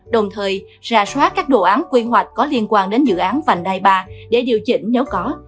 đồng thời ra soát các đồ án quy hoạch có liên quan đến dự án vành đai ba để điều chỉnh nếu có